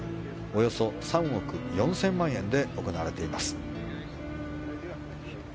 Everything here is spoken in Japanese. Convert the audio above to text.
およそ３億４０００万円で行われています。